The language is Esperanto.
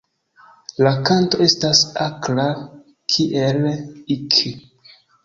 La kanto estas akra "kieerr-ik".